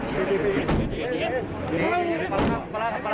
สวัสดีครับทุกคน